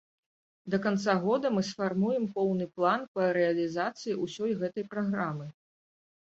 Да канца года мы сфармуем поўны план па рэалізацыі ўсёй гэтай праграмы.